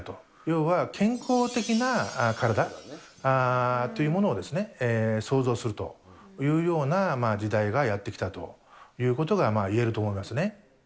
要は健康的な体というものを創造するというような時代がやって来たということがいえると思いますね。